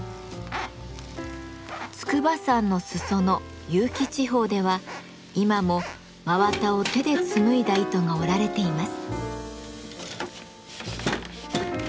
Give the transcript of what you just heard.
筑波山の裾野結城地方では今も真綿を手で紡いだ糸が織られています。